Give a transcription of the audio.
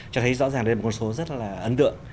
cho thấy rõ ràng đây là một con số rất là ấn tượng